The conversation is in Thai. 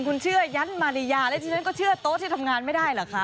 คุณเชื่อยันมาริยาแล้วที่ฉันก็เชื่อโต๊ะที่ทำงานไม่ได้เหรอคะ